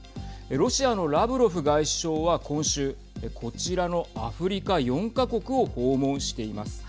ロシアのラブロフ外相は今週こちらのアフリカ４か国を訪問しています。